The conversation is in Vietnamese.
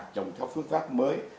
trồng theo phương pháp mới